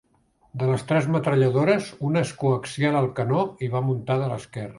De les tres metralladores una és coaxial al canó i va muntada a l'esquerra.